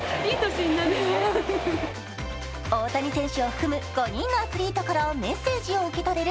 大谷選手を含む５人のアスリートからメッセージを受け取れる